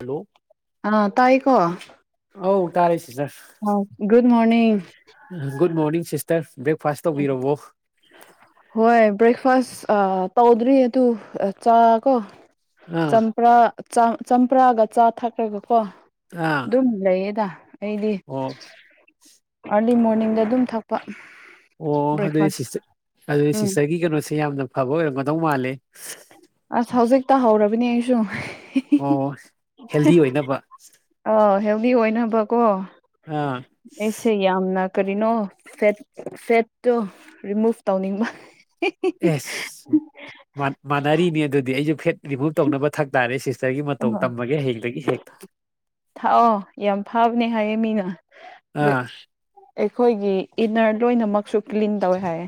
hello ꯑꯥ ꯇꯥꯏꯀꯣ ꯑꯧ ꯇꯥꯔꯁꯤ sir good morning good morning sister breakfast ꯇꯧꯕꯤꯔꯣ ꯍꯣꯏ ꯕ꯭ꯔꯦꯛꯐꯥꯁ ꯑ ꯇꯧꯗ꯭ꯔꯤ ꯑꯗꯨ ꯑ ꯆꯥ ꯀꯣ ꯑꯥ ꯆꯝꯄꯔꯥ ꯆꯥꯡ ꯆꯝꯄꯔꯥꯒ ꯆꯥ ꯊꯛꯈ꯭ꯔꯒꯀꯣ ꯑꯥ ꯗꯨꯝ ꯂꯩꯌꯦꯗ ꯑꯩꯗꯤ ꯑꯣ ꯑꯥꯔꯂꯤ ꯃꯣꯔꯅꯤꯡꯗ ꯑꯗꯨꯝ ꯊꯛꯄ ꯑꯣ ꯑꯗꯨꯗꯤ ꯕ꯭ꯔꯦꯛꯐꯥꯁ ꯁꯤꯁꯇ ꯑꯗꯨꯗꯤ ꯎꯝ ꯁꯤꯁꯇꯔꯒꯤ ꯀꯩꯅꯣꯁꯦ ꯌꯥꯝꯅ ꯐꯕ ꯑꯣꯏꯔꯝꯒꯗꯧ ꯃꯥꯜꯂꯦ ꯑꯁ ꯍꯧꯖꯤꯛꯇ ꯍꯧꯔꯕꯅꯦ ꯑꯩꯁꯨ ꯑꯣ ꯍꯦꯜꯗꯤ ꯑꯣꯏꯅꯕ ꯑꯥ ꯍꯦꯜꯗꯤ ꯑꯣꯏꯅꯕꯀꯣ ꯑꯥ ꯑꯦꯁꯦ ꯌꯥꯝꯅ ꯀꯔꯤꯅꯣ ꯐꯦꯠ ꯐꯦꯠꯇꯣ ꯔꯤꯃꯨꯚ ꯇꯧꯅꯤꯡꯕ ꯑꯦꯁ ꯃꯥꯟ ꯃꯥꯟꯅꯔꯤꯅꯦ ꯑꯗꯨꯗꯤ ꯑꯩꯖꯨ ꯐꯦꯠ ꯔꯤꯃꯨꯚ ꯇꯧꯅꯕ ꯊꯛ ꯇꯥꯔꯦ ꯁꯤꯁꯇꯔꯒꯤ ꯃꯠ ꯑ ꯃꯇꯧ ꯇꯝꯃꯒꯦ ꯍꯥꯌꯦꯡꯗꯒꯤ ꯍꯦꯛꯇ ꯊꯥꯛꯑꯣ ꯌꯥꯝ ꯐꯕꯅꯦ ꯍꯥꯏꯌꯦꯦ ꯃꯤꯅ ꯑꯗꯨ ꯑꯥ ꯑꯩꯈꯣꯏꯒꯤ ꯏꯟꯅꯔ ꯂꯣꯏꯅꯃꯛꯁꯨ ꯀ꯭ꯂꯤꯟ ꯇꯧꯋꯦ ꯍꯥꯏ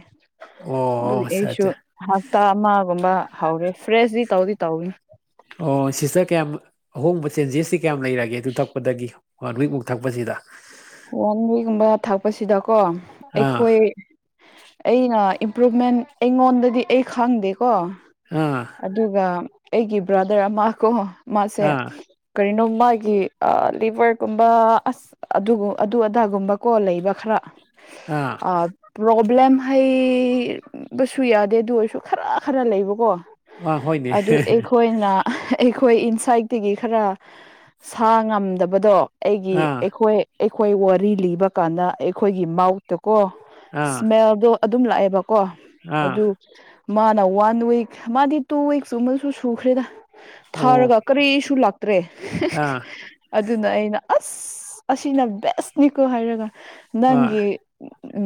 ꯑꯣ ꯑꯗꯨꯒꯝ ꯑꯠꯆꯥ ꯑꯩꯁꯨ ꯑꯠꯆꯥ ꯍꯞꯇꯥ ꯑꯃꯒꯨꯝꯕ ꯍꯧꯔꯦ ꯐ꯭ꯔꯦꯁꯗꯤ ꯇꯧꯗꯤ ꯇꯧꯏ ꯑꯣ ꯁꯤꯁꯇꯔ ꯀꯌꯥꯝ ꯑꯍꯣꯡꯕ ꯆꯦꯟꯖꯦꯁꯁꯤ ꯀꯌꯥꯝ ꯂꯩꯔꯒꯦ ꯑꯗꯨ ꯊꯛꯄꯗꯒꯤ ꯋꯥꯟ ꯋꯤꯛꯃꯨꯛ ꯊꯛꯄꯁꯤꯗ ꯋꯥꯟ ꯋꯤꯛꯀꯨꯝꯕ ꯊꯥꯛꯄꯁꯤꯗꯀꯣ ꯑꯥ ꯑꯩꯈꯣꯏ ꯑꯩꯅ ꯏꯝꯄ꯭ꯔꯨꯚꯃꯦꯟ ꯑꯩꯉꯣꯟꯗꯗꯤ ꯑꯩ ꯈꯪꯗꯦ ꯀꯣ ꯑꯥ ꯑꯗꯨꯒ ꯑꯩꯒꯤ ꯕ꯭ꯔꯥꯗꯔ ꯑꯃ ꯀꯣ ꯃꯥꯁꯦ ꯑꯥ ꯀꯔꯤꯅꯣ ꯃꯥꯒꯤ ꯑ ꯂꯤꯚꯔꯒꯨꯝꯕ ꯑꯁ ꯑꯗꯨ ꯑꯗꯨ ꯑꯗꯥꯒꯨꯝꯕꯀꯣ ꯂꯩꯕ ꯈꯔ ꯑꯥ ꯄ꯭ꯔꯣꯕ꯭ꯂꯦꯝ ꯍꯩꯕꯁꯨ ꯌꯥꯗꯦ ꯑꯗꯨ ꯑꯣꯏꯔꯁꯨ ꯈꯔ ꯈꯔ ꯂꯩꯕꯀꯣ ꯑꯥ ꯍꯣꯏꯅꯦ ꯑꯗꯨ ꯑꯩꯈꯣꯏꯅ ꯑꯩꯈꯣꯏ ꯏꯟꯁꯥꯏꯠꯇꯒꯤ ꯈꯔ ꯁꯥ ꯉꯝꯗꯕꯗꯣ ꯑꯩꯒꯤ ꯑꯥ ꯑꯩꯈꯣꯏ ꯑꯩꯈꯣꯏ ꯋꯥꯔꯤ ꯂꯤꯕ ꯀꯥꯟꯗ ꯑꯩꯈꯣꯏꯒꯤ ꯃꯥꯎꯠꯇꯀꯣ ꯑꯥ ꯏꯁꯃꯦꯜꯗꯣ ꯑꯗꯨꯝ ꯂꯥꯛꯑꯦꯕꯀꯣ ꯑꯥ ꯑꯗꯨ ꯃꯥꯅ ꯋꯥꯟ ꯋꯤꯛ ꯃꯥꯗꯤ ꯇꯨ ꯋꯤꯛꯁꯀꯨꯝꯕꯨ ꯁꯨꯈ꯭ꯔꯦꯗ ꯑꯣ ꯊꯥꯔꯒ ꯀꯔꯤꯁꯨ ꯂꯥꯛꯇ꯭ꯔꯦ ꯑꯥ ꯑꯗꯨꯅ ꯑꯩꯅ ꯑꯁ ꯁꯤꯅ ꯕꯦꯁꯅꯤꯀꯣ ꯍꯥꯏꯔꯒ ꯍꯣꯏ ꯅꯪꯒꯤ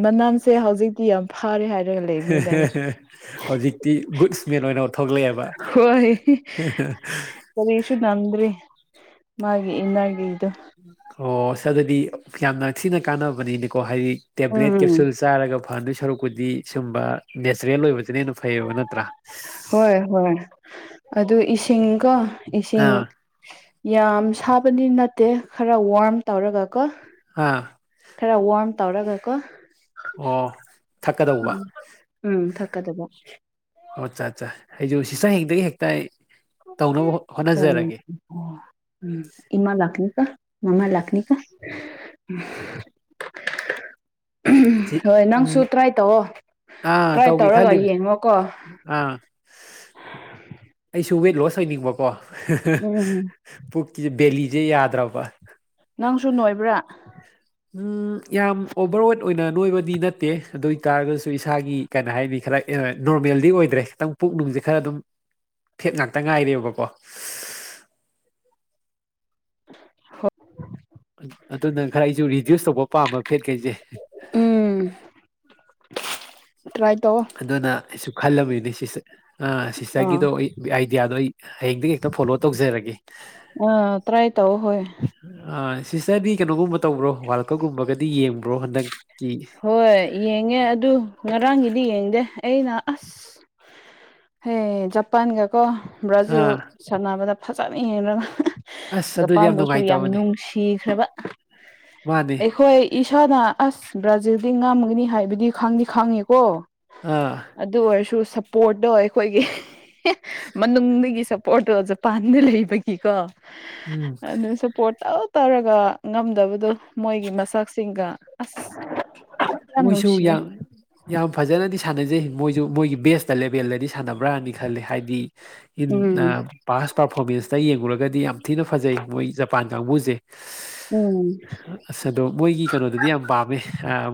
ꯃꯅꯝꯁꯦ ꯍꯧꯖꯤꯛꯇꯤ ꯌꯥꯝ ꯐꯔꯦ ꯍꯥꯏꯔ ꯂꯩ [unintelligible] ꯍꯧꯖꯤꯛꯇꯤ ꯒꯨꯠ ꯃꯦꯟ ꯑꯣꯏꯅ ꯊꯣꯛꯂꯛꯑꯕ ꯍꯣꯏ ꯀꯔꯤꯁꯨ ꯅꯝꯗ꯭ꯔꯤ ꯃꯥꯒꯤ ꯏꯅꯔꯒꯤꯗꯨ ꯑꯣ ꯑꯁ ꯑꯗꯨꯗꯤ ꯌꯥꯝꯅ ꯊꯤꯅ ꯀꯥꯟꯅꯕꯅꯤꯅꯤꯀꯣ ꯍꯥꯏꯗꯤ ꯇꯦꯕ꯭ꯂꯦꯠ ꯎꯝ ꯀꯦꯞꯁꯨꯜꯁ ꯆꯥꯔꯒ ꯐꯗꯣꯏ ꯁꯔꯨꯛꯄꯨꯗꯤ ꯁꯤꯒꯨꯝꯕ ꯅꯦꯆꯔꯦꯜ ꯑꯣꯏꯕꯁꯤꯅ ꯍꯦꯟꯅ ꯐꯩꯌꯦꯕ ꯅꯠꯇ꯭ꯔꯥ ꯍꯣꯏ ꯍꯣꯏ ꯑꯗꯨ ꯏꯁꯤꯡ ꯀꯣ ꯏꯁꯤꯡ ꯑꯥ ꯌꯥꯝ ꯁꯥꯕꯗꯤ ꯅꯠꯇꯦ ꯈꯔ ꯋꯥꯔꯝ ꯇꯧꯔꯒꯀꯣ ꯑꯥ ꯈꯔ ꯋꯥꯔꯝ ꯇꯧꯔꯒ ꯀꯣ ꯑꯣ ꯊꯛꯀꯗꯧꯕ ꯎꯝ ꯎꯝ ꯊꯛꯀꯗꯕ ꯑꯣ ꯑꯠꯆꯥ ꯑꯠꯆꯥ ꯑꯩꯁꯨꯣ ꯁꯤꯇꯔ ꯍꯦꯗꯒꯤ ꯍꯦꯛꯇ ꯇꯧꯅꯕ ꯑꯣ ꯍꯣꯠꯅꯖꯔꯒꯦ ꯑꯣ ꯑꯝ ꯏꯃꯥ ꯂꯥꯥꯛꯅꯤꯀꯣ ꯃꯃꯥ ꯂꯥꯥꯛꯅꯤꯀꯣ ꯁꯤ ꯎꯝ ꯅꯪꯁꯨ ꯇ꯭ꯔꯥꯏ ꯇꯧꯑꯣ ꯑꯥ ꯇ꯭ꯔꯥꯏ ꯇꯧꯒꯦ ꯇꯧꯔꯒ ꯈꯜꯂꯤꯝ ꯌꯦꯡꯉꯣꯀꯣ ꯑꯥ ꯑꯩꯁꯨ ꯋꯦꯠ ꯂꯣꯁ ꯑꯣꯏꯅꯤꯡꯕꯀꯣ ꯎꯝ ꯄꯨꯛꯀꯤꯡꯕꯦꯂꯤꯖꯦ ꯌꯥꯗ꯭ꯔꯕ ꯅꯪꯁꯨ ꯅꯣꯏꯕ꯭ꯔꯥ ꯎꯝ ꯌꯥꯝ ꯑꯣꯕꯔꯋꯦꯗ ꯑꯣꯏꯅ ꯅꯣꯏꯕꯗꯤ ꯅꯠꯇꯦ ꯑꯗꯨ ꯑꯣꯏ ꯇꯥꯔꯒꯁꯨ ꯏꯁꯥꯒꯤ ꯀꯩꯅꯣ ꯍꯥꯏꯅꯤ ꯈꯔ ꯅꯣꯔꯃꯦꯜꯗꯤ ꯑꯣꯏꯗ꯭ꯔꯦ ꯈꯤꯇꯪ ꯄꯨꯛ ꯅꯨꯡꯁꯦ ꯈꯔ ꯑꯗꯨꯝ ꯐꯦꯠ ꯉꯥꯛꯇ ꯉꯥꯏꯔꯦꯕꯀꯣ [unintelligible] ꯑꯗꯨꯅ ꯈꯔꯥ ꯑꯧꯁꯨ ꯔꯤꯠ ꯭ꯌꯨꯁ ꯇꯧꯕ ꯄꯥꯝꯕ ꯐꯦꯠ ꯀꯩꯁꯦ ꯎꯝ ꯇ꯭ꯔꯥꯏ ꯇꯧꯑꯣ ꯑꯗꯨꯅ ꯑꯩꯁꯨ ꯈꯜꯂꯝꯃꯤꯅꯦ ꯁꯤꯁꯨ ꯑ ꯑꯥ ꯁꯤꯁꯇꯔꯒꯤꯗꯣ ꯑꯩ ꯑꯥꯏꯗꯤꯌꯥꯗꯣ ꯑꯩ ꯍꯌꯦꯡꯗꯒꯤ ꯍꯦꯛꯇ ꯐꯣꯂꯣ ꯇꯧꯖꯔꯒꯦ ꯑ ꯇ꯭ꯔꯥꯏ ꯇꯧ ꯍꯣꯏ ꯑ ꯁꯤꯁꯇꯔꯗꯤ ꯀꯩꯅꯣꯒꯨꯝꯕ ꯇꯧꯕ꯭ꯔꯣ ꯋꯥꯜꯀꯞꯒꯨꯝꯕꯒꯗꯤ ꯌꯦꯡꯕ꯭ꯔꯣ ꯍꯟꯗꯛꯀꯤ ꯍꯣꯏ ꯌꯦꯡꯉꯦ ꯑꯗꯨ ꯉꯔꯥꯡꯒꯤꯗꯤ ꯌꯦꯡꯗꯦ ꯑꯩꯅ ꯑꯁ ꯍ ꯖꯄꯥꯟꯒꯀꯣ ꯕ꯭ꯔꯥꯖꯤꯜ ꯑꯥ ꯁꯥꯟꯅꯕꯗ ꯐꯖꯅ ꯌꯦꯡꯔꯒ ꯑꯁ ꯑꯗꯨꯗꯤ ꯖꯄꯥꯟꯗꯁꯨ ꯌꯥꯝ ꯅꯨꯡꯉꯥꯏꯇꯕꯅꯦ ꯅꯨꯡꯁꯤꯈ꯭ꯔꯕ ꯃꯥꯅꯦ ꯑꯩꯈꯣꯏ ꯏꯁꯥꯅ ꯑꯁ ꯕ꯭ꯔꯥꯖꯤꯜꯗꯤ ꯉꯝꯒꯅꯤ ꯍꯥꯏꯕꯗꯤ ꯈꯪꯗꯤ ꯈꯪꯉꯤꯀꯣ ꯑꯥ ꯑꯗꯨ ꯑꯣꯏꯔꯁꯨ ꯁꯞꯄꯣꯔꯠꯇꯣ ꯑꯩꯈꯣꯏꯒꯤ ꯃꯅꯨꯡꯗꯒꯤ ꯁꯞꯄꯣꯔꯠꯇꯣ ꯖꯄꯥꯟꯗ ꯂꯩꯕꯒꯤ ꯀꯣ ꯎꯝ ꯑꯗꯨꯁꯨ ꯄꯣꯠ ꯇꯧ ꯇꯧꯔꯒ ꯉꯝꯗꯕꯗꯣ ꯃꯣꯏꯒꯤ ꯃꯁꯛꯁꯤꯡꯒ ꯑꯁ ꯌꯥꯝ ꯃꯣꯏꯁꯨ ꯅꯨꯡꯁꯤꯌꯦ ꯌꯥꯝ ꯌꯥꯝ ꯐꯖꯅꯗꯤ ꯁꯥꯟꯅꯖꯩ ꯃꯣꯏꯁꯨ ꯃꯣꯏꯒꯤ ꯕꯦꯁꯇ ꯂꯦꯕꯦꯜꯗꯗꯤ ꯁꯥꯟꯅꯕ꯭ꯔꯥꯅꯤ ꯈꯜꯂꯦ ꯍꯥꯏꯗꯤ ꯎꯝ [unintelligible] ꯄꯥꯁ ꯄꯥꯔꯐꯣꯔꯃꯦꯟꯁꯇ ꯌꯦꯡꯉꯨꯔꯒꯗꯤ ꯌꯥꯝ ꯊꯤꯅ ꯐꯖꯩ ꯃꯣꯏ ꯖꯄꯥꯟ ꯀꯥꯡꯕꯨꯁꯦ ꯎꯝ ꯑꯁ ꯑꯗꯣ ꯃꯣꯏꯒꯤ ꯀꯩꯅꯣꯗꯨꯗꯤ ꯌꯥꯝ ꯄꯥꯝꯃꯦ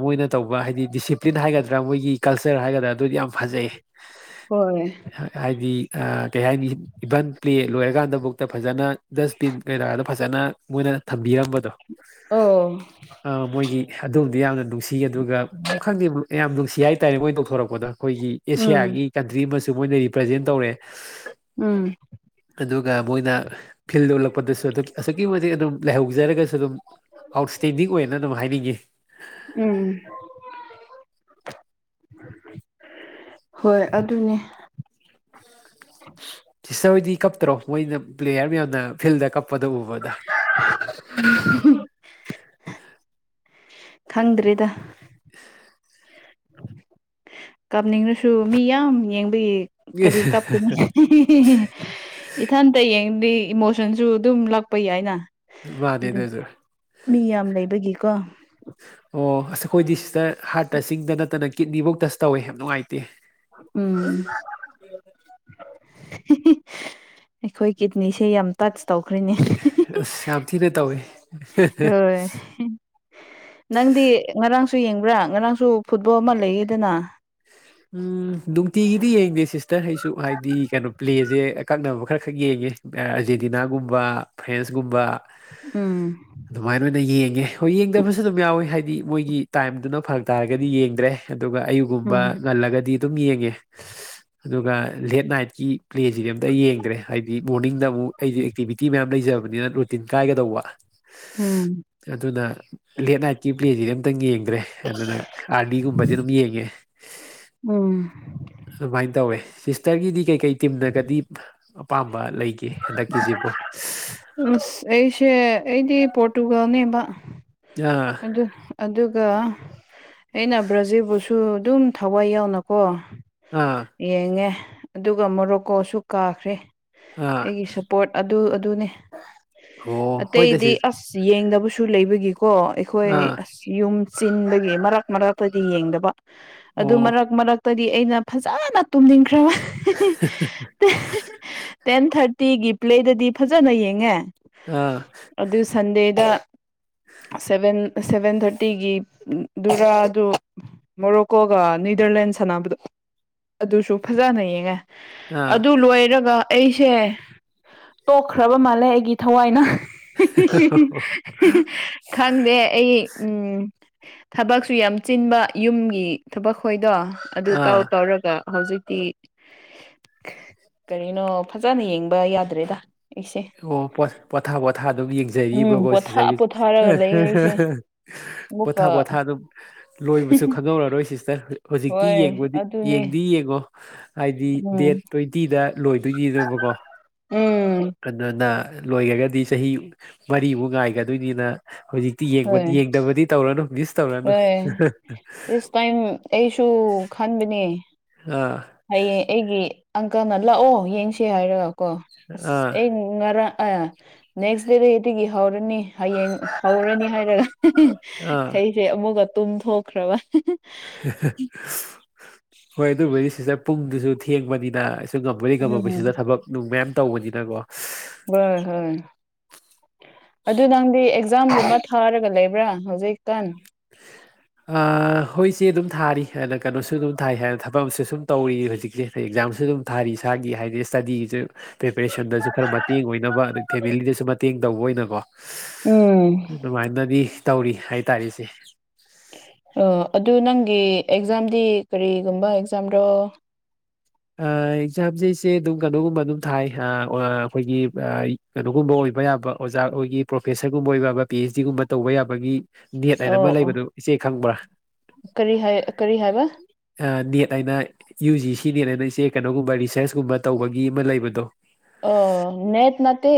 ꯃꯣꯏꯅ ꯇꯧꯕ ꯍꯥꯏꯗꯤ ꯗꯤꯁꯤꯄ꯭ꯂꯤꯟ ꯍꯥꯏꯒꯗ꯭ꯔꯥ ꯃꯣꯏꯒꯤ ꯀꯜꯆꯔ ꯍꯥꯏꯒꯗ꯭ꯔꯥ ꯑꯗꯨꯗꯤ ꯌꯥꯝ ꯐꯖꯩ ꯍꯣꯏ ꯍꯥꯏꯗꯤ ꯀꯩ ꯍꯥꯏꯅꯤ ꯏꯚꯟ ꯄ꯭ꯂꯦ ꯂꯣꯏꯔꯀꯥꯟꯗꯕꯨꯛꯇ ꯐꯖꯅ ꯗꯁꯕꯤꯟ ꯀꯩꯔꯥꯒꯗꯣ ꯐꯖꯅ ꯃꯣꯏꯅ ꯊꯝꯕꯤꯔꯝꯕꯗꯣ ꯑꯣ ꯑ ꯃꯣꯏꯒꯤ ꯑꯗꯣꯝꯗ ꯌꯥꯝꯅ ꯅꯨꯡꯁꯤ ꯁꯤ ꯑꯗꯨꯒ ꯈꯪꯗꯦ ꯌꯥꯝ ꯅꯨꯡꯁꯤ ꯍꯥꯏꯇꯥꯔꯦ ꯃꯣꯏ ꯅꯣꯡꯊꯣꯔꯛꯄꯗ ꯑꯩꯈꯣꯏꯒꯤ ꯎꯝ ꯑꯦꯁꯤꯌꯥꯒꯤ ꯀꯟꯇ꯭ꯔꯤ ꯑꯃꯁꯨ ꯃꯣꯏꯅ ꯔꯤꯄ꯭ꯔꯖꯦꯟ ꯇꯧꯔꯦ ꯎꯝ ꯑꯗꯨꯒ ꯃꯣꯏꯅ ꯐꯤꯜ ꯌꯣꯛꯜꯂꯛꯄꯗꯁꯨ ꯑꯗꯨꯝ ꯑꯁꯨꯛꯀꯤ ꯃꯇꯤꯛ ꯑꯗꯨꯝ ꯂꯩꯥꯏꯍꯧꯖꯔꯒꯁꯨ ꯑꯗꯨꯝ ꯑꯥꯎꯠꯁ꯭ꯇꯦꯟꯗꯤꯛ ꯑꯣꯏꯅ ꯑꯗꯨꯝ ꯍꯥꯏꯅꯤꯡꯉꯦ ꯎꯝ ꯍꯣꯏ ꯑꯗꯨꯅꯦ ꯁꯤꯇ ꯍꯣꯏꯗꯤ ꯀꯞꯇ꯭ꯔꯣ ꯃꯣꯏꯅ ꯄ꯭ꯂꯦꯌꯥꯔ ꯃꯌꯥꯝꯅ ꯐꯤꯜꯗ ꯀꯞꯄꯗ ꯎꯕꯗ [inaudible] ꯈꯪꯗ꯭ꯔꯦꯗ ꯀꯥꯞꯅꯤꯡꯉꯁꯨ ꯃꯤ ꯌꯥꯝ ꯌꯦꯡꯕꯒꯤ ꯀꯔꯤ ꯀꯥꯞꯄꯨꯅꯤ ꯏꯊꯟꯇ ꯌꯦꯡꯉꯥꯗꯤ ꯏꯃꯣꯁꯟꯁꯨ ꯑꯗꯨꯝ ꯎꯠꯂꯛꯄ ꯌꯥꯏꯅ ꯃꯥꯅꯦ ꯑꯗꯨ ꯑꯗꯨꯁꯨ ꯃꯤ ꯌꯥꯝ ꯂꯩꯕꯒꯤꯀꯣ ꯑꯣ ꯑꯁ ꯑꯩꯈꯣꯏꯗꯤ ꯁꯤꯁꯇꯔ ꯍꯥꯔꯠ ꯇꯆꯤꯡꯗ ꯅꯠꯇꯅ ꯀꯤꯠꯅꯤꯐꯧ ꯇꯁ ꯇꯧꯋꯦ ꯌꯥꯝ ꯅꯨꯡꯉꯥꯏꯇꯦ ꯎꯝ ꯑꯩꯈꯣꯏ ꯀꯤꯠꯅꯤꯁꯦ ꯌꯥꯝ ꯇꯁ ꯇꯧꯈ꯭ꯔꯤꯅꯦ ꯑꯁ ꯌꯥꯝ ꯊꯤꯅ ꯇꯧꯋꯦ ꯍꯣꯏ ꯅꯪꯗꯤ ꯉꯔꯥꯡꯁꯨ ꯌꯦꯡꯕ꯭ꯔꯥ ꯉꯔꯥꯡꯁꯨ ꯐꯨꯠꯕꯣꯜ ꯑꯃ ꯂꯩꯌꯦꯗꯅ ꯎꯝ ꯅꯨꯡꯇꯤꯒꯤꯗꯤ ꯌꯦꯡꯗꯦ ꯁꯤꯁꯇꯔ ꯑꯩꯁꯨ ꯍꯥꯏꯗꯤ ꯀꯩꯅꯣ ꯄ꯭ꯂꯦꯖꯦ ꯑꯀꯛꯅꯕ ꯈꯔ ꯈꯛ ꯌꯦꯡꯉꯦ ꯑꯥꯔꯖꯦꯟꯇꯤꯅꯥꯒꯨꯝꯕ ꯐ꯭ꯔꯦꯟꯁꯀꯨꯝꯕ ꯎꯝ ꯑꯗꯨꯃꯥꯏꯅ ꯑꯣꯏꯅ ꯌꯦꯡꯉꯦ ꯍꯣꯏ ꯌꯦꯡꯗꯕꯁꯨ ꯑꯗꯨꯝ ꯌꯥꯎꯋꯤ ꯍꯥꯏꯗꯤ ꯃꯣꯏꯒꯤ ꯇꯥꯏꯝꯗꯨꯅ ꯐꯔꯛ ꯇꯥꯔꯒꯗꯤ ꯌꯦꯡꯗ꯭ꯔꯦ ꯑꯗꯨꯒ ꯑꯌꯨꯒꯨꯝꯕ ꯎꯝ ꯉꯜꯂꯒꯗꯤ ꯑꯗꯨꯝ ꯌꯦꯡꯉꯦ ꯑꯗꯨꯒ ꯂꯦꯠ ꯅꯥꯏꯠꯀꯤ ꯄ꯭ꯂꯦꯁꯤꯗꯤ ꯑꯝꯇ ꯌꯦꯡꯗ꯭ꯔꯦ ꯍꯥꯏꯕꯗꯤ ꯃꯣꯔꯅꯤꯡꯗ ꯑꯃꯨꯛ ꯑꯩꯗꯤ ꯑꯦꯛꯇꯤꯚꯤꯇꯤ ꯃꯌꯥꯝ ꯂꯩꯖꯕꯅꯤꯅ ꯔꯨꯇꯤꯟ ꯀꯥꯏꯒꯗꯧꯕ ꯎꯝ ꯑꯗꯨꯅ ꯂꯦꯠ ꯅꯥꯏꯠꯀꯤ ꯄ꯭ꯂꯦꯁꯤꯗꯤ ꯑꯝꯇꯪ ꯌꯦꯡꯗ꯭ꯔꯦ ꯑꯗꯨꯅ ꯑꯥꯔꯗꯤꯒꯨꯝꯕꯗꯤ ꯑꯗꯨꯝ ꯌꯦꯡꯉꯦ ꯎꯝ ꯑꯗꯨꯃꯥꯏꯅ ꯇꯧꯋꯦ ꯁꯤꯁꯇꯔꯒꯤꯗꯤ ꯀꯩꯀꯩ ꯇꯤꯝꯅꯒꯗꯤ ꯑꯄꯥꯝꯕ ꯂꯩꯒꯦ ꯍꯟꯗꯛꯀꯤꯖꯤꯕꯨ ꯑꯁ ꯑꯩꯁꯦ ꯑꯩꯗꯤ ꯄꯣꯔꯇꯨꯒꯥꯜꯅꯦꯕ ꯑꯥ ꯑꯗꯨ ꯑꯗꯨꯒ ꯑꯩꯅ ꯕ꯭ꯔꯖꯤꯜꯕꯨꯁꯨ ꯑꯗꯨꯝ ꯊꯋꯥꯏ ꯌꯥꯎꯅꯀꯣ ꯑꯥ ꯌꯦꯡꯉꯦ ꯑꯗꯨꯒ ꯃꯣꯔꯣꯛꯀꯣꯁꯨ ꯀꯥꯈ꯭ꯔꯦ ꯑꯥ ꯒꯤ ꯁꯄꯣꯔꯠ ꯑꯗꯨ ꯑꯗꯨꯅꯤ ꯑꯣ ꯍꯣꯏꯗ ꯑꯇꯩꯗꯤ ꯁꯤꯁ ꯑꯁ ꯑ ꯌꯦꯡꯗꯕꯁꯨ ꯂꯩꯕꯒꯤꯀꯣ ꯑꯩꯈꯣꯏ ꯑꯥ ꯑꯁ ꯌꯨꯝ ꯆꯤꯟꯕꯒꯤ ꯃꯔꯛ ꯃꯔꯛꯇꯗꯤ ꯌꯦꯡꯗꯕ ꯑꯗꯨ ꯑꯣ ꯃꯔꯛ ꯃꯔꯛ ꯇꯗꯤ ꯑꯩꯅ ꯐꯖꯅ ꯇꯨꯝꯅꯤꯡꯈ꯭ꯔꯤꯕ ꯇꯦꯟ ꯊꯥꯔꯇꯤꯒꯤ ꯄ꯭ꯂꯦꯗꯗꯤ ꯐꯖꯅ ꯌꯦꯡꯉꯦ ꯑꯥ ꯑꯗꯨ ꯁꯟꯗꯦꯗ ꯁꯚꯦꯟ ꯁꯚꯦꯟ ꯊꯥꯔꯇꯤꯒꯤ ꯗꯨꯔꯥꯗꯨ ꯃꯣꯔꯣꯀꯣꯒ ꯅꯤꯗꯔꯂꯦꯟ ꯁꯥꯟꯅꯕꯗꯣ ꯑꯗꯨꯁꯨ ꯐꯖꯅ ꯌꯦꯡꯉꯦ ꯑꯥ ꯑꯗꯨ ꯂꯣꯏꯔꯒ ꯑꯩꯁꯦ ꯇꯣꯛꯈ꯭ꯔꯕ ꯃꯥꯜꯂꯦ ꯑꯩꯒꯤ ꯊꯋꯥꯏꯅ ꯈꯪꯗꯦ ꯑꯩ ꯎꯝ ꯊꯕꯛꯁꯨ ꯌꯥꯝ ꯆꯤꯟꯕ ꯌꯨꯝꯒꯤ ꯊꯕꯛꯈꯣꯏꯗꯣ ꯑꯗꯨ ꯇꯥꯎ ꯑꯥ ꯇꯧꯔꯒ ꯍꯧꯖꯤꯛꯇꯤ ꯀꯔꯤꯅꯣ ꯐꯖꯅ ꯌꯦꯡꯕ ꯌꯥꯗ꯭ꯔꯦꯗ ꯑꯩꯁꯦ ꯑꯣ ꯄꯣꯊꯥ ꯄꯣꯊꯥ ꯑꯗꯨꯝ ꯎꯝ ꯌꯦꯡꯖꯔꯤꯕꯀꯣ ꯄꯣꯊꯥ ꯁꯤꯁꯇꯔ ꯄꯣꯊꯥꯔꯒ ꯂꯩꯌꯦ ꯑꯩꯁꯦ ꯄꯣꯊꯥ ꯑꯃꯨꯛꯀ ꯄꯣꯊꯥ ꯑꯗꯨꯝ ꯂꯣꯏꯕꯁꯨ ꯈꯪꯍꯧꯔꯔꯣꯏ ꯁꯤꯁꯇꯔ ꯍꯧꯖꯤꯛꯇꯤ ꯍꯣꯏ ꯌꯦꯡꯕꯗꯤ ꯑꯗꯨꯅꯦ ꯌꯦꯡ ꯌꯦꯉꯣ ꯍꯥꯏꯗꯤ ꯗꯦꯠ ꯎꯝ ꯇ꯭ꯋꯦꯟꯇꯤꯗ ꯂꯣꯏꯗꯣꯏꯅꯤꯅꯥꯕꯀꯣ ꯎꯝ ꯑꯗꯨꯅ ꯂꯣꯏꯈ꯭ꯔꯒꯗꯤ ꯆꯍꯤ ꯃꯔꯤꯃꯨꯛ ꯉꯥꯏꯒꯗꯣꯏꯅꯤꯅ ꯍꯧꯖꯤꯛꯇꯤ ꯌꯦꯡꯗꯕꯗꯤ ꯇꯧꯔꯅꯨ ꯗꯤꯁ ꯑꯦ ꯗꯤꯁ ꯇꯥꯏꯝ ꯑꯩꯁꯨ ꯈꯟꯕꯅꯦ ꯑꯥ ꯍꯌꯦꯡ ꯑꯩꯒꯤ ꯑꯪꯀꯜꯅ ꯂꯥꯛꯑꯣ ꯌꯦꯡꯁ ꯍꯥꯏꯔꯒ ꯀꯣ ꯑꯁ ꯑꯥ ꯑꯩ ꯄꯨꯡ ꯉꯔꯥꯡ ꯅꯦꯛꯁ ꯗꯦꯗꯒꯤ ꯑꯗꯨꯒꯤ ꯍꯧꯔꯅꯤ ꯍꯌꯦꯡ ꯍꯧꯔꯅꯤ ꯍꯥꯏꯔꯒ ꯑꯥ ꯑꯩꯁꯦ ꯑꯃꯨꯛꯀ ꯇꯨꯝꯊꯣꯛꯈ꯭ꯔꯕ ꯍꯣꯏ ꯑꯗꯨꯕꯨꯗꯤ ꯁꯤꯗ ꯄꯨꯡꯗꯨꯁꯨ ꯊꯦꯡꯕꯅꯤꯅ ꯁꯨ ꯉꯝꯃꯗꯤ ꯎꯝ ꯉꯝꯃꯕꯁꯤꯗ ꯊꯕꯛ ꯅꯨꯡ ꯃꯌꯥꯝ ꯇꯧꯕꯅꯤꯅꯀꯣ ꯍꯣꯏ ꯍꯣꯏ ꯑꯗꯨ ꯅꯪꯗꯤ ꯑꯦꯛꯖꯥꯝꯒꯨꯝꯕ ꯊꯥꯔꯒ ꯂꯩꯕ꯭ꯔꯥ ꯍꯧꯖꯤꯀꯥꯟ ꯍꯣꯏꯁꯦ ꯑꯗꯨꯝ ꯊꯥꯔꯤ ꯑꯗꯨꯅ ꯀꯩꯅꯣꯁꯨ ꯑꯗꯨꯝ ꯊꯥꯏ ꯍꯥꯏꯅ ꯊꯕꯛ ꯑꯃꯁꯨ ꯁꯨꯝ ꯇꯧꯔꯤ ꯍꯧꯖꯤꯛꯁꯦ ꯑꯦꯛꯖꯥꯝꯁꯨ ꯑꯗꯨꯝ ꯊꯥꯔꯤ ꯏꯁꯥꯒꯤ ꯍꯥꯏꯗꯤ ꯏꯁ꯭ꯇꯗꯤꯒꯤꯁꯨ ꯄ꯭ꯔꯤꯄꯦꯔꯦꯁꯟꯗꯁꯨ ꯈꯔ ꯃꯇꯦꯡ ꯑꯣꯏꯅꯕ ꯑꯗꯩ ꯐꯦꯃꯤꯂꯤꯗꯁꯨ ꯃꯇꯦꯡ ꯇꯧꯕ ꯑꯣꯏꯅꯕꯣ ꯎꯝ ꯑꯗꯨꯃꯥꯏꯅꯗꯤ ꯇꯧꯔꯤ ꯍꯥꯏꯇꯥꯔꯁꯦ ꯑꯣ ꯑꯗꯨ ꯅꯪꯒꯤ ꯑꯦꯛꯖꯥꯝꯗꯤ ꯀꯔꯤꯒꯨꯝꯕ ꯑꯦꯛꯖꯥꯝꯔꯣ ꯑꯦꯛꯖꯥꯝꯁꯤꯁꯦ ꯑꯗꯨꯝ ꯀꯩꯅꯣꯒꯨꯝꯕ ꯑꯗꯨꯝ ꯊꯥꯏ ꯑꯩꯈꯣꯏꯒꯤ ꯀꯩꯅꯣꯒꯨꯝꯕ ꯑꯣꯏꯕ ꯌꯥꯕ ꯑꯣꯖꯥ ꯑꯣꯏꯒꯤ ꯄ꯭ꯔꯣꯐꯦꯁꯔꯒꯨꯝꯕ ꯑꯣꯏꯕ ꯌꯥꯕ ꯄꯤ ꯑꯩꯆ ꯗꯤꯒꯨꯝꯕ ꯇꯧꯕ ꯌꯥꯕꯒꯤ ꯅꯦꯠ ꯍꯥꯏꯅ ꯑꯣ ꯑꯃ ꯑꯣ ꯂꯩꯕꯗꯨ ꯏꯆꯦ ꯈꯪꯕ꯭ꯔꯥ ꯀꯔꯤ ꯍꯥꯏ ꯀꯔꯤ ꯍꯥꯏꯕ ꯅꯦꯠ ꯍꯥꯏꯅ ꯌꯨ ꯖꯤ ꯁꯤ ꯅꯦꯠ ꯍꯥꯏꯅ ꯏꯆꯦ ꯀꯩꯅꯣꯒꯨꯝꯕ ꯔꯤꯁꯔꯁ ꯀꯨꯝꯕ ꯇꯧꯕꯒꯤ ꯑꯃ ꯂꯩꯕꯗꯣ ꯑ ꯅꯦꯠ ꯅꯇ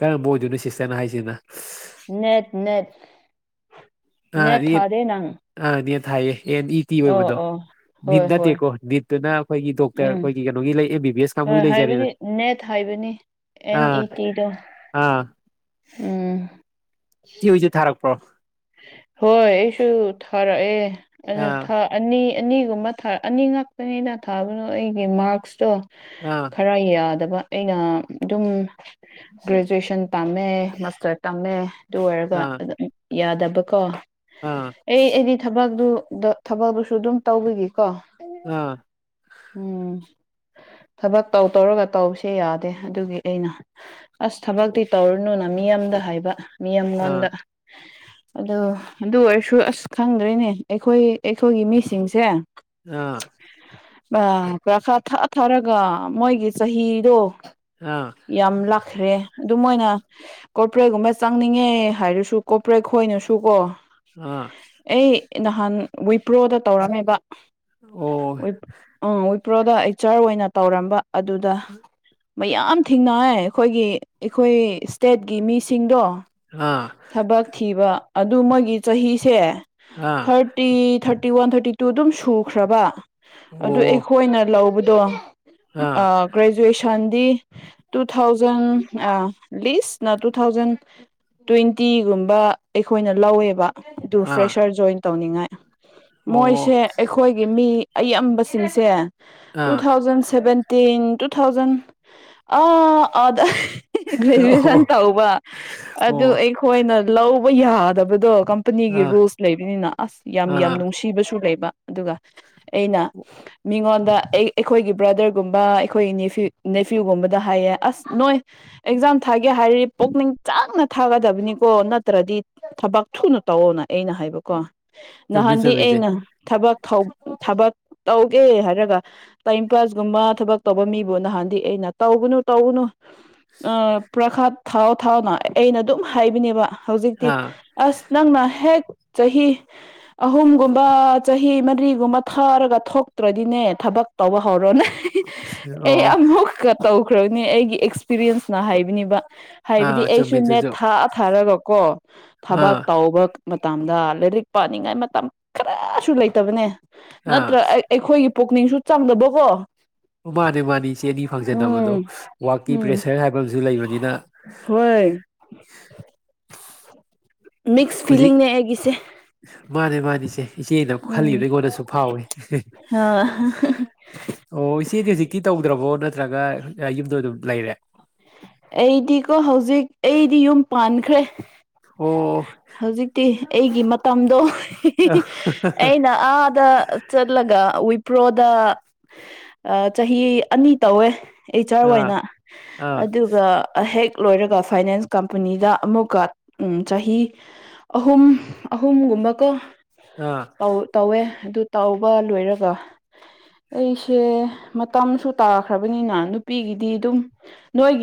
ꯀꯔꯝꯕ ꯑꯣꯏꯗꯣꯏꯅꯣ ꯁꯤꯁꯇꯔꯅ ꯍꯥꯏꯁꯤꯅ ꯅꯦꯠ ꯅꯦꯠ ꯑꯥ ꯅꯦꯠ ꯅꯠ ꯊꯥꯗꯦ ꯅꯪ ꯑꯥ ꯅꯦꯠ ꯍꯥꯏꯌꯦ ꯑꯦꯟ ꯏ ꯇꯤ ꯑꯣ ꯑꯣꯏꯕꯗꯣ ꯑꯣ ꯅꯤꯠ ꯍꯣꯏ ꯍꯣꯏ ꯅꯠꯇꯦꯀꯣ ꯅꯤꯠ ꯑꯗꯨꯅ ꯑꯩꯈꯣꯏꯒꯤ ꯗꯣꯛꯇꯔ ꯎꯝ ꯑꯩꯈꯣꯏꯒꯤ ꯀꯩꯅꯣꯒꯤ ꯂꯩ ꯑꯦꯝ ꯕꯤ ꯕꯤ ꯑꯦꯁ ꯍꯣꯏ ꯀꯥꯡꯕꯨ ꯂꯩꯖꯔꯦꯅ ꯍꯥꯏꯕꯗꯤ ꯅꯦꯠ ꯍꯥꯏꯕꯅꯤ ꯑꯦꯟ ꯑꯥ ꯏ ꯇꯤꯗ ꯑꯥ ꯎꯝ ꯏ [unintelligible] ꯍꯣꯏ ꯑꯩꯁꯨ ꯊꯥꯔꯛ ꯑꯥ ꯑꯦ ꯑꯅꯤ ꯑꯅꯤꯒꯨꯝꯕ ꯊꯥ ꯑꯅꯤ ꯉꯛꯄꯅꯤꯅ ꯊꯥꯕꯅꯣ ꯑꯩꯒꯤ ꯃꯥꯛꯁꯇꯣ ꯑ ꯈꯔ ꯌꯥꯗꯕ ꯑꯩꯅ ꯑꯗꯨꯝ ꯒ꯭ꯔꯦꯖꯨꯑꯁꯟ ꯇꯝꯃꯦ ꯃꯥꯁꯇꯔ ꯇꯝꯃꯦ ꯑꯗꯨ ꯑꯣꯏꯔꯒ ꯑꯥ ꯑꯗꯨꯝ ꯌꯥꯗꯕꯀꯣ ꯑꯥ ꯑꯩ ꯑꯩꯗꯤ ꯊꯕꯛꯇꯨꯗ ꯊꯕꯛꯇꯨꯁꯨ ꯑꯗꯨꯝ ꯇꯧꯕꯤꯒꯤꯀꯣ ꯑ ꯎꯝ ꯊꯕꯛ ꯇꯧ ꯇꯧꯔꯒ ꯇꯧꯕꯁꯦ ꯌꯥꯗꯦ ꯑꯗꯨꯒꯤ ꯑꯩꯅ ꯑꯁ ꯊꯕꯛꯇꯤ ꯇꯧꯔꯨꯅꯨꯅ ꯃꯤ ꯑꯃꯗ ꯍꯥꯏꯕ ꯃꯤ ꯑꯃꯉꯣꯟꯗ [inaudible] ꯑ ꯑꯗꯨ ꯑꯣꯏꯔꯁꯨ ꯑꯁ ꯈꯪꯗ꯭ꯔꯔꯤꯅꯦ ꯑꯩꯈꯣꯏ ꯑꯩꯈꯣꯏꯒꯤ ꯃꯤꯁꯤꯡꯁꯦ ꯑ ꯑ ꯄꯥꯈꯥ ꯊꯥ ꯊꯥꯔꯒ ꯃꯣꯏꯒꯤ ꯆꯍꯤꯗꯣ ꯑ ꯌꯥꯝ ꯂꯥꯛꯈ꯭ꯔꯦ ꯑꯗꯨ ꯃꯅ ꯀꯣꯔꯣꯄꯔꯦꯠꯒꯨꯝꯕ ꯆꯪꯅꯤꯡꯉꯦ ꯍꯥꯏꯔꯁꯨ ꯀꯣꯄ꯭ꯔꯦꯛ ꯈꯣꯏꯅꯁꯨ ꯀꯣ ꯑ ꯑꯩ ꯅꯍꯥꯟ ꯋꯤꯄ꯭ꯔꯣꯗ ꯇꯧꯔꯝꯃꯦꯕ ꯑꯣ ꯎꯝ ꯄ꯭ꯔꯣꯗ ꯑꯦꯆꯔ ꯑꯣꯏꯅ ꯇꯧꯔꯝꯕ ꯑꯗꯨꯗ ꯃꯌꯥꯝ ꯊꯦꯡꯅ ꯑꯩꯈꯣꯏꯒꯤ ꯑꯩꯈꯣꯏ ꯏꯁꯇꯦꯠꯀꯤ ꯃꯤꯁꯤꯡꯗꯣ ꯍꯥ ꯊꯕꯛ ꯊꯤꯕ ꯑꯗꯨ ꯃꯣꯏꯒꯤ ꯆꯍꯤꯁꯦ ꯑꯥ ꯊꯥꯔꯠ thirty thirty one thirty two ꯑꯗꯨꯝ ꯁꯨꯈ꯭ꯔꯕ ꯑꯣ ꯑꯗꯨ ꯑꯩꯈꯣꯏꯅ ꯂꯧꯕꯗꯣ ꯑꯥ ꯒ꯭ꫪꯦꯖꯨꯑꯦꯁ ꯐꯟꯗꯤ ꯇꯨ ꯊꯥꯎꯖꯟ ꯂꯤꯁ ꯅ ꯇꯨ ꯊꯥꯎꯖꯟ ꯇꫭꯟ ꯇꯤꯒꯨꯝꯕ ꯑꯩꯈꯣꯏꯅ ꯂꯧꯋꯦꯕ ꯑꯗꯨ ꯑꯥ ꯐ꯭ꯔꯦꯁꯔ ꯖꯣꯏꯟ ꯇꯧꯅꯤꯡꯉꯥꯏ ꯑꯣ ꯃꯣꯏꯁꯦ ꯑꯩꯈꯣꯏꯒꯤ ꯃꯤ ꯑꯌꯝꯕꯁꯤꯡꯁꯦ ꯑꯥ two thousand seven ten two thousand ꯑ ꯑꯗ ꯑꯣ ꯒ꯭ꯔꯦꯖꯨꯑꯦꯁꯟ ꯇꯧꯕ ꯑꯗꯨ ꯑꯣ ꯑꯩꯈꯣꯏꯅ ꯂꯧꯕ ꯌꯥꯗꯕꯗꯣ ꯀꯝ ꯀꯝꯄꯅꯤꯒꯤ ꯑꯥ ꯔꯨꯜꯁ ꯂꯩꯕꯅꯤꯅ ꯑꯁ ꯌꯥꯝ ꯌꯥꯝ ꯑꯥ ꯅꯨꯡꯁꯤꯕꯁꯨ ꯂꯩꯕ ꯑꯗꯨꯒ ꯑꯩꯅ ꯃꯤꯉꯣꯟꯗ ꯑꯩ ꯑꯩꯈꯣꯏꯒꯤ ꯕ꯭ꯔꯗꯔꯒꯨꯝꯕ ꯑꯩꯈꯣꯏꯒꯤ ꯅꯦꯐ꯭ꯌꯨ ꯅꯦꯐ꯭ꯌꯨꯒꯨꯝꯕꯗ ꯍꯥꯏꯌꯦ ꯑꯁ ꯅꯣꯏ ꯑꯦꯛꯖꯥꯝ ꯊꯥꯒꯦ ꯍꯥꯏꯔꯤ ꯄꯨꯛꯅꯤꯡ ꯆꯪꯅ ꯊꯥꯒꯗꯕꯅꯤ ꯀꯣ ꯅꯠꯇ꯭ꯔꯗꯤ ꯊꯕꯛ ꯊꯨꯅ ꯇꯧꯑꯣꯅ ꯑꯩꯅ ꯍꯥꯏꯕꯀꯣ ꯆꯨꯝꯃꯤ ꯅꯍꯥꯟꯗꯤ ꯆꯨꯝꯃꯤꯁꯦ ꯑꯩꯅ ꯊꯕꯛ ꯊꯕꯛ ꯇꯧꯒꯦ ꯍꯥꯏꯔꯒ ꯇꯥꯏꯝ ꯄꯥꯁꯒꯨꯝꯕ ꯊꯕꯛ ꯇꯧꯕ ꯃꯤꯕꯨ ꯅꯍꯥꯟꯗꯤ ꯑꯩꯅ ꯇꯧꯒꯅꯨ ꯇꯧꯒꯅꯨ ꯄ꯭ꯔꯈꯥꯠ ꯊꯥꯎ ꯊꯥꯎꯅ ꯑꯩꯅ ꯑꯗꯨꯝ ꯍꯥꯏꯕꯅꯦꯕ ꯍꯧꯖꯤꯛꯇꯤ ꯑꯥ ꯑꯁ ꯅꯪꯅ ꯍꯦꯛ ꯆꯍꯤ ꯑꯍꯨꯝꯒꯨꯝꯕ ꯆꯍꯤ ꯃꯔꯤꯒꯨꯝꯕ ꯊꯥꯔꯒ ꯊꯣꯛꯇ꯭ꯔꯗꯤꯅꯦ ꯊꯕꯛ ꯇꯧꯕ ꯍꯧꯔꯣꯅꯦ ꯑꯩ ꯑꯣ ꯑꯃꯨꯛꯀ ꯇꯧꯈ꯭ꯔꯕꯅꯦ ꯑꯩꯒꯤ ꯑꯦꯛꯁꯄꯤꯔꯤꯌꯦꯟꯁꯅ ꯍꯥꯏꯕꯅꯤꯕ ꯍꯥꯏꯕꯗꯤ ꯑꯥ ꯑꯩꯁꯨ ꯅꯦꯠ ꯆꯨꯝꯃꯤꯗꯨꯁꯨ ꯊꯥꯑ ꯊꯥꯔꯒꯀꯣ ꯑꯥ ꯊꯕꯥꯛ ꯇꯧꯕ ꯃꯇꯗ ꯂꯥꯏꯔꯤꯛ ꯄꯥꯅꯤꯡꯉꯥꯏ ꯃꯇꯝ ꯈꯔꯁꯨ ꯂꯩꯇꯕꯅꯦ ꯑꯥ ꯅꯠꯇ꯭ꯔ ꯑꯩ ꯑꯩꯈꯣꯏꯒꯤ ꯄꯨꯛꯅꯤꯡꯁꯨ ꯆꯪꯗꯕꯀꯣ ꯑꯣ ꯃꯥꯅꯦ ꯃꯥꯅꯤ ꯆꯦꯅꯤ ꯐꯪꯖꯕꯗꯣ ꯎꯝ ꯋꯛꯀꯤ ꯎꯝ ꯄ꯭ꯔꯦꯁꯔ ꯍꯥꯏꯕ ꯑꯃꯁꯨ ꯂꯩꯕꯅꯤꯅ ꯍꯣꯏ ꯃꯤꯛꯁ ꯍꯧꯖꯤꯛ ꯐꯤꯂꯤꯡꯅꯦ ꯑꯩꯒꯤꯁꯦ ꯃꯥꯅꯦ ꯃꯥꯅꯤ ꯏꯆꯦ ꯏꯆꯦꯅ ꯈꯜꯂꯤꯕ ꯎꯝ ꯑꯩꯉꯣꯟꯗꯁꯨ ꯐꯥꯎꯏꯦ ꯑ ꯑꯣ ꯏꯆꯦꯗꯤ ꯍꯧꯖꯤꯛꯇꯤ ꯇꯧꯗ꯭ꯔꯕꯣ ꯅꯠꯇ꯭ꯔꯒ ꯌꯨꯝꯗꯣ ꯑꯗꯨꯝ ꯂꯩꯔꯦ ꯑꯩꯗꯤꯀꯣ ꯍꯧꯖꯤꯛ ꯑꯩꯗꯤ ꯌꯨꯝ ꯄꯥꯟꯈ꯭ꯔꯦ ꯑꯣ ꯍꯧꯖꯤꯛꯇꯤ ꯑꯩꯒꯤ ꯃꯇꯝꯗꯣ ꯑꯥ ꯑꯩꯅ ꯑꯗ ꯆꯠꯂꯒ ꯋꯨꯏꯄ꯭ꯔꯣꯗ ꯑ ꯆꯍꯤ ꯑꯅꯤ ꯇꯧꯋꯦ ꯑꯩꯆ ꯑꯥꯔ ꯑꯥ ꯑꯣꯏꯅ ꯑꯗꯨꯒ ꯑꯍꯦꯛ ꯂꯣꯏꯔꯒ ꯐꯥꯏꯅꯥꯟꯁ ꯀꯝꯄꯅꯤꯗ ꯑꯃꯨꯛꯀ ꯍꯨ ꯆꯍꯤ ꯑꯍꯨꯝ ꯑꯍꯨꯝꯒꯨꯝꯕꯀꫭ ꯑꯥ ꯇꯧꯏ ꯇꯧꯋꯦ ꯑꯗꯨ ꯇꯧꯕ ꯂꯣꯏꯔꯒ ꯑꯩꯁꯦ ꯃꯇꯝꯁꯨ ꯇꯥꯈ꯭ꯔꯕꯅꯤꯅ ꯅꯨꯄꯤꯒꯤꯗꯤ ꯑꯗꯨꯝ ꯅꯣꯏꯒꯤ